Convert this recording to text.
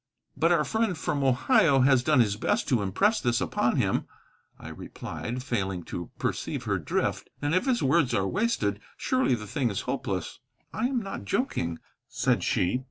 "But our friend from Ohio has done his best to impress this upon him," I replied, failing to perceive her drift; "and if his words are wasted, surely the thing is hopeless." "I am not joking," said she.